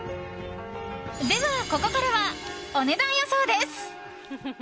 ではここからはお値段予想です。